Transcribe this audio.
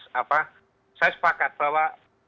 saya sepakat bahwa